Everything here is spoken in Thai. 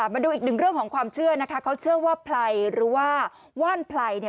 มาดูอีกหนึ่งเรื่องของความเชื่อนะคะเขาเชื่อว่าไพรหรือว่าว่านไพรเนี่ย